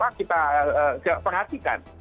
harus kita perhatikan